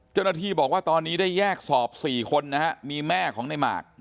เจ้าหน้าที่บอกว่าตอนนี้ได้แยกสอบ๔คนมีแม่ของในหมาก